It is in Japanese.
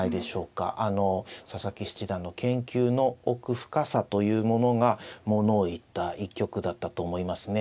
佐々木七段の研究の奥深さというものがものをいった一局だったと思いますね。